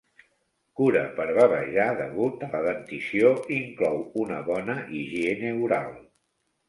Cura per bavejar degut a la dentició inclou una bona higiene oral.